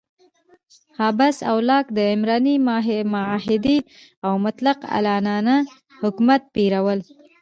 هابس او لاک د عمراني معاهدې او مطلق العنانه حکومت پیر ول.